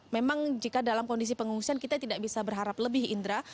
memang jika dalam kondisi pengungsian kita tidak bisa berharap lebih indra